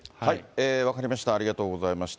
分かりました、ありがとうございました。